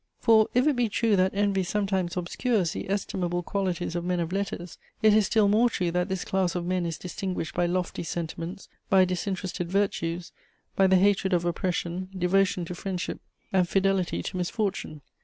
For, if it be true that envy sometimes obscures the estimable qualities of men of letters, it is still more true that this class of men is distinguished by lofty sentiments, by disinterested virtues, by the hatred of oppression, devotion to friendship, and fidelity to misfortune.